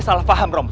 salah paham rompong